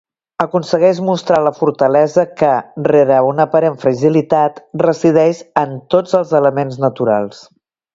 Aconsegueix mostrar la fortalesa que, rere una aparent fragilitat, resideix en tots els elements naturals.